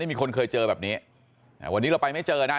มีคนเคยเจอแบบนี้วันนี้เราไปไม่เจอนะ